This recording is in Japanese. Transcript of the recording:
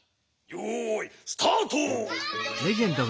よいスタート！